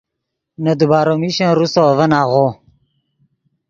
نے دیبارو میشن روسو اڤن آغو